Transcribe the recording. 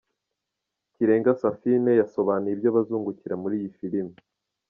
Kirenga Saphine yasobanuye ibyo bazungukira muri iyi filimi.